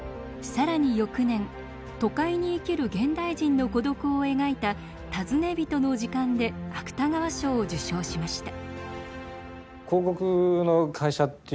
更に翌年都会に生きる現代人の孤独を描いた「尋ね人の時間」で芥川賞を受賞しました。